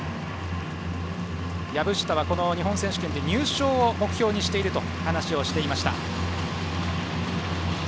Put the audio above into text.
籔下は日本選手権で入賞を目標にしていると話していました。